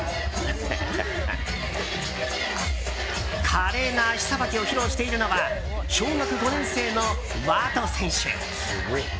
華麗な足さばきを披露しているのは小学５年生のＷＡＴＯ選手。